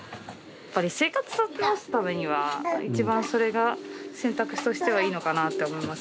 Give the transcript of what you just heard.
やっぱり生活立て直すためには一番それが選択肢としてはいいのかなって思いますけど。